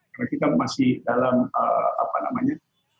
karena kita masih dalam apa namanya